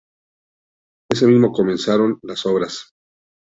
Ese mismo comenzaron las obras.